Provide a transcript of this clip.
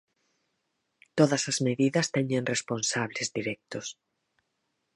"Todas as medidas teñen responsables directos".